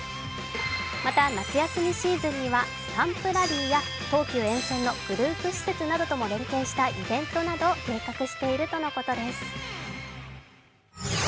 また夏休みシーズンにはスタンプラリーや東急沿線のグループ施設などとも連携したイベントなどを計画しているとのことです。